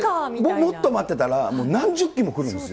もっと待ってたら、もう何十機も来るんですよ。